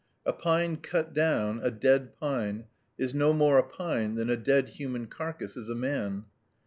A pine cut down, a dead pine, is no more a pine than a dead human carcass is a man.